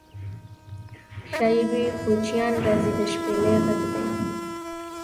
شایي بیا کوچیان راځي د شپیلۍ غږدی